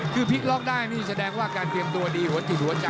คือพลิกล็อกได้นี่แสดงว่าการเตรียมตัวดีหัวจิตหัวใจ